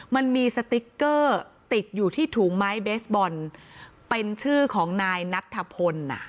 มันมีสติ๊กเกอร์ติดอยู่ที่ถุงไม้เบสบอลเป็นชื่อของนายนัทธพล